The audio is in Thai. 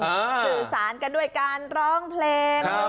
สื่อสารกันด้วยการร้องเพลง